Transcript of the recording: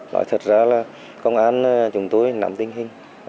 nói thật ra là công an chúng tôi nắm tình hình